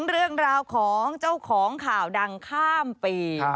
เรื่องราวของเจ้าของข่าวดังข้ามปี